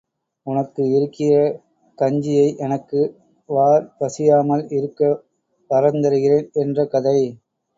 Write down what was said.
உனக்கு இருக்கிற கஞ்சியை எனக்கு வார் பசியாமல் இருக்க வரந் தருகிறேன் என்ற கதை.